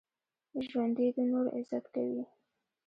ژوندي د نورو عزت کوي